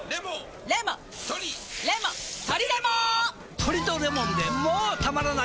トリとレモンでもたまらない